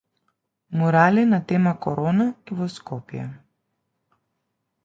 Мурали на тема Корона и во Скопје